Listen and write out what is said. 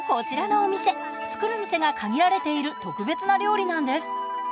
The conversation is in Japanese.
作る店が限られている特別な料理なんです。